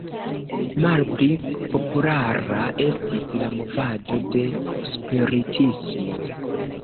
Malpli populara estis la movado de spiritismo.